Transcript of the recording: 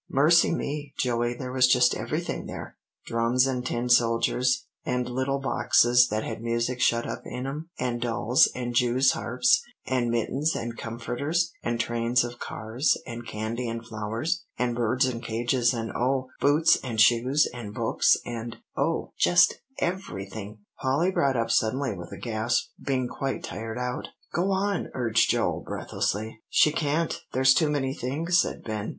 "Mercy me, Joey, there was just everything there, drums and tin soldiers, and little boxes that had music shut up in 'em, and dolls and jews harps, and mittens and comforters, and trains of cars, and candy and flowers, and birds in cages, and oh, boots and shoes and books and oh just everything!" Polly brought up suddenly with a gasp, being quite tired out. "Go on," urged Joel breathlessly. "She can't there's too many things," said Ben.